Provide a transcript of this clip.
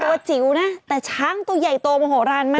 ตัวจิ๋วนะแต่ช้างตัวใหญ่ตัวโมโหรันมาก